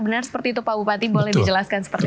benar seperti itu pak bupati boleh dijelaskan seperti itu